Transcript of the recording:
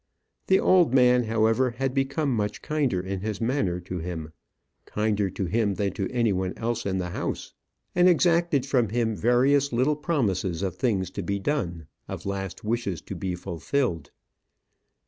The old man, however, had become much kinder in his manner to him kinder to him than to any one else in the house; and exacted from him various little promises of things to be done of last wishes to be fulfilled.